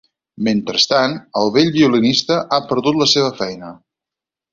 Mentrestant, el vell violinista ha perdut la seva feina.